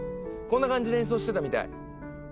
こんな感じで演奏してたみたい。